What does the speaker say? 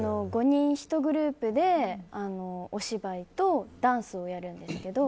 ５人１グループでお芝居とダンスをやるんですけど。